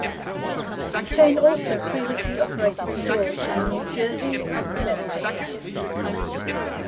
The chain also previously operated stores in New Jersey and Connecticut.